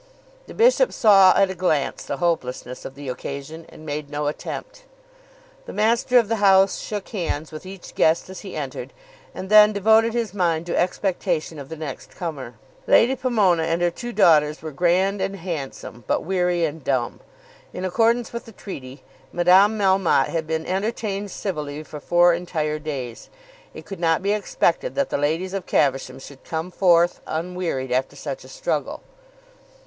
The bishop saw at a glance the hopelessness of the occasion, and made no attempt. The master of the house shook hands with each guest as he entered, and then devoted his mind to expectation of the next comer. Lady Pomona and her two daughters were grand and handsome, but weary and dumb. In accordance with the treaty, Madame Melmotte had been entertained civilly for four entire days. It could not be expected that the ladies of Caversham should come forth unwearied after such a struggle.